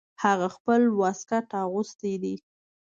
هغه خپل واسکټ اغوستی ده